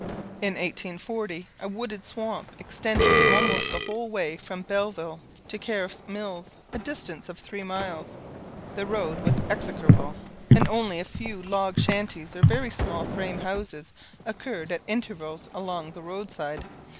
In 1840, a wooded swamp extended almost the whole way from Belleville to Cariff's Mills, a distance of three miles. The road was execrable; and only a few log shanties, or very small frame houses, occurred at intervals along the road side.